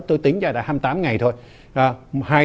tôi tính ra đã hai mươi tám ngày thôi